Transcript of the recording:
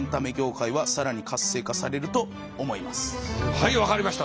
はい分かりました。